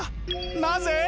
なぜ？